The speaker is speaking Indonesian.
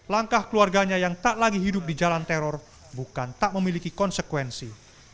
langkah keluarganya yang tak lagi hidup di jalan teror bukan tak memiliki konsekuensi